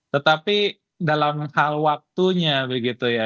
tetapi dalam hal waktunya begitu ya